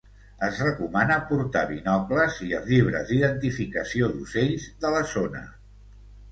Es recomana portar binocles i els llibres d'identificació d'ocells de la zona.